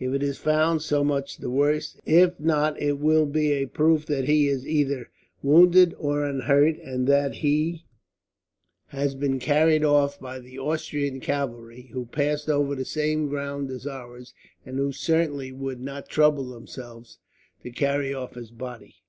If it is found, so much the worse. If not, it will be a proof that he is either wounded or unhurt, and that he has been carried off by the Austrian cavalry; who passed over the same ground as ours, and who certainly would not trouble themselves to carry off his body."